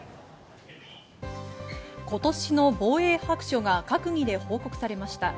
今年の防衛白書が閣議で報告されました。